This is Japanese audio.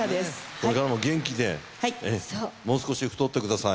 これからも元気でもう少し太ってください。